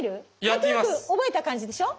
何となく覚えた感じでしょ？